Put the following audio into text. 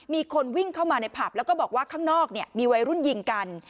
มีคนวิ่งเข้ามาในผับแล้วก็บอกว่าข้างนอกมีวัยรุ่นยิงกัน